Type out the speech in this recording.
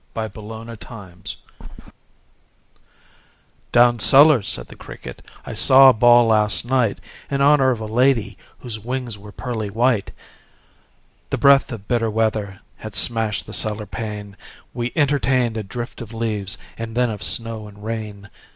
The Potato's Dance "Down cellar," said the cricket, "I saw a ball last night In honor of a lady Whose wings were pearly white. The breath of bitter weather Had smashed the cellar pane: We entertained a drift of leaves And then of snow and rain.